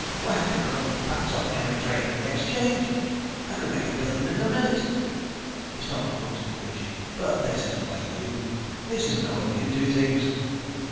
Why, I could run the pants off every trader in the exchange! I could make a billion a minute!" He stopped and looked at the image. "But this isn't like you. This isn't the way you'd do things."